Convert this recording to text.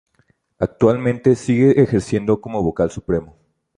Actualmente sigue ejerciendo como Vocal Supremo.